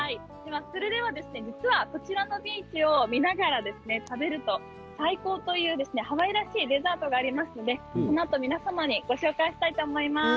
こちらのビーチを見ながら食べると最高というハワイらしいデザートがありますのでこのあと皆様にご紹介したいと思います。